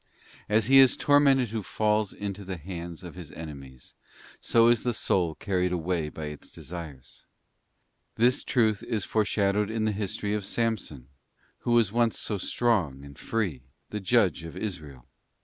* As he is tormented who falls into the hands of his enemies, so is the soul carried away by its desires. This truth is foreshadowed in the history of Samson, who was once so strong and free, the judge of Israel.